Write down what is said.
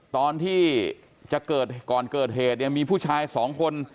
ตอนที่จะเกิดก่อนเกิดเหตุเนี่ยมีผู้ชายสองคน